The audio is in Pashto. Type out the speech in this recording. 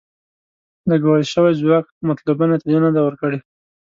لګول شوی ځواک مطلوبه نتیجه نه ده ورکړې.